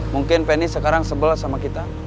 mungkin penny sekarang sebel sama kita